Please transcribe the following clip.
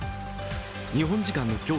日本時間の今日